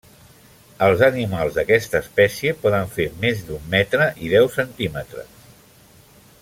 Els animals d'aquesta espècie poden fer més d'un metre i deu centímetres.